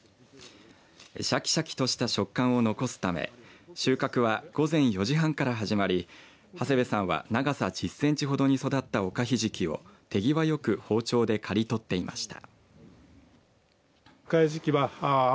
しゃきしゃきとしたと食感を残すため収穫は午前４時半から始まり長谷部さんは長さ１０センチほどに育ったおかひじきを手際よく包丁で刈り取っていました。